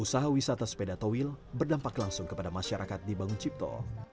usaha wisata sepeda towil berdampak langsung kepada masyarakat di bangun cipto